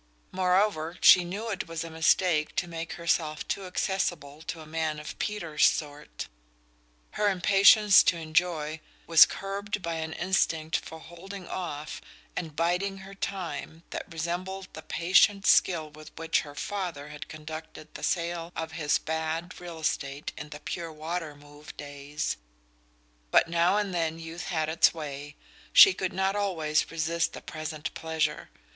Moreover, she knew it was a mistake to make herself too accessible to a man of Peter's sort: her impatience to enjoy was curbed by an instinct for holding off and biding her time that resembled the patient skill with which her father had conducted the sale of his "bad" real estate in the Pure Water Move days. But now and then youth had its way she could not always resist the present pleasure.